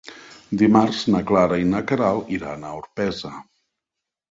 Dimarts na Clara i na Queralt iran a Orpesa.